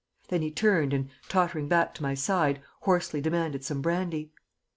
Then he turned and, tottering back to my side, hoarsely demanded some brandy.